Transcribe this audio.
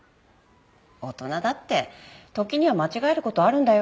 大人だって時には間違える事あるんだよ。